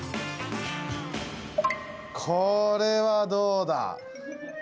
これはどうだ？